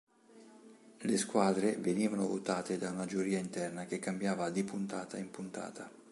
Le squadre venivano votate da una giuria interna che cambiava di puntata in puntata.